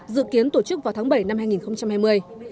dự kiến tổ chức vào tháng bảy năm hai nghìn hai mươi